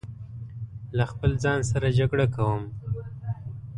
له خپل ځان سره جګړه کوم